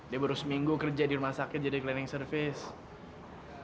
dia baru seminggu kerja di rumah sakit jadi cleaning service